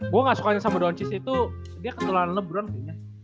gue ga sukanya sama don cicak itu dia ketelan lebron kayaknya